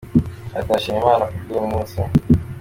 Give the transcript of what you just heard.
Ati “Ndashima Imana ku bw’uyu munsi.